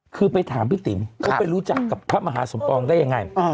คือไปถามพี่ติ๋มเขาไปรู้จักกับพระมหาสมปองได้ยังไง